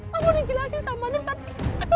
mau di jelasin sama anud tapi